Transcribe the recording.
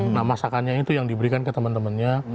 nah masakannya itu yang diberikan ke teman temannya